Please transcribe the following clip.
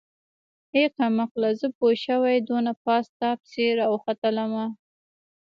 ای کمقله زه پوشوې دونه پاس تاپسې راوختلمه.